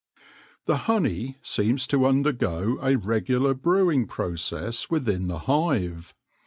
The honey seems to undergo a regular brewing process within the hive.